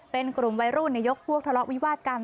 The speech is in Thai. เป็นกลุ่มวัยรุ่นยกพวกทะเลาะวิวาดกัน